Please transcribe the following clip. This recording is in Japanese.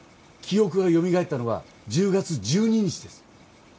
記憶がよみがえったのが１０月１２日です